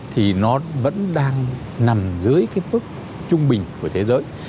thì nó vẫn đang nằm dưới cái mức trung bình của thế giới